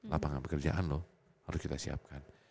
lapangan pekerjaan loh harus kita siapkan